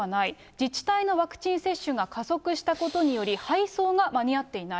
自治体のワクチン接種が加速したことにより、配送が間に合っていない。